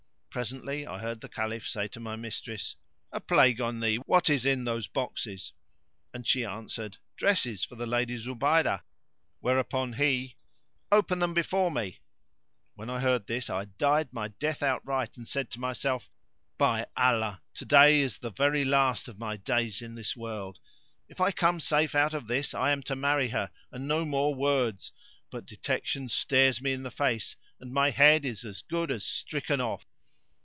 Presently I heard the Caliph say to my mistress, "A plague on thee, what is in those boxes?"; and she answered, "Dresses for the Lady Zubaydah";[FN#565] whereupon he, "Open them before me!" When I heard this I died my death outright and said to myself, "By Allah, today is the very last of my days in this world: if I come safe out of this I am to marry her and no more words, but detection stares me in the face and my head is as good as stricken off."